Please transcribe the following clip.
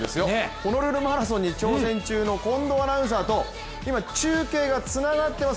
ホノルルマラソンに挑戦中の近藤アナウンサーと中継がつながっています